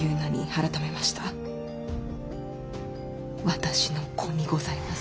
私の子にございます。